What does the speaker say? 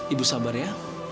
ibu sabar ya